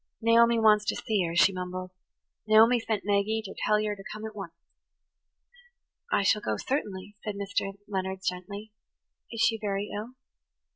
"Naomi wants ter see yer," she mumbled. "Naomi sent Maggie ter tell yer ter come at onct." "I shall go, certainly," said Mr. Leonard gently. "Is she very ill?"